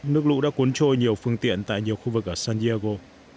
nước lũ đã cuốn trôi nhiều phương tiện tại nhiều khu vực ở san diego